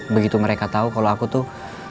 begitu mereka tahu kalau aku tuh